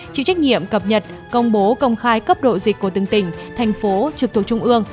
chịu trách nhiệm cập nhật công bố công khai cấp độ dịch của từng tỉnh thành phố trực thuộc trung ương